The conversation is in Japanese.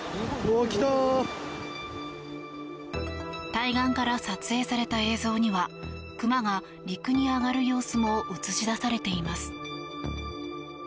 対岸から撮影された映像にはクマが陸に上がる様子も映し出されています。